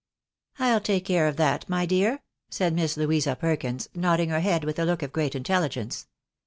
" I'll take care of that, my dear," said Miss Louisa Perkins, nodding her head with a look of great intelligence.